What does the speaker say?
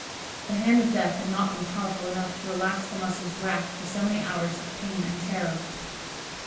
The hand of death had not been powerful enough to relax the muscles racked for so many hours of pain and terror.